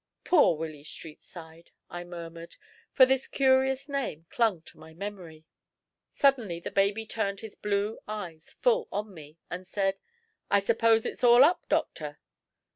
"Poor Willy Streetside!" I murmured, for his curious name clung to my memory. Suddenly the baby turned his blue eyes full on me, and said: "I suppose it's all up, doctor?"